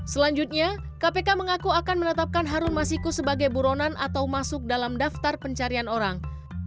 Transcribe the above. selanjutnya kpk mengaku akan menetapkan harun masiku sebagai buronan atau masuk dalam daftar pencarian orang